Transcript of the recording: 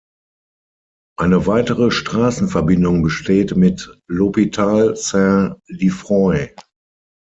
Eine weitere Straßenverbindung besteht mit L’Hôpital-Saint-Lieffroy.